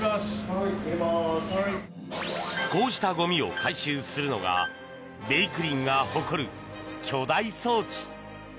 こうしたゴミを回収するのが「べいくりん」が誇る巨大装置。